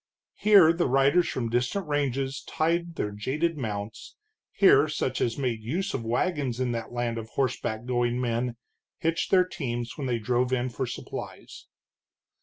Here the riders from distant ranges tied their jaded mounts, here such as made use of wagons in that land of horseback going men hitched their teams when they drove in for supplies.